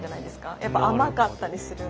やっぱ甘かったりするんで。